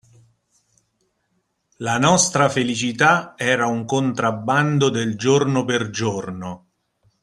La nostra felicità era un contrabbando del giorno per giorno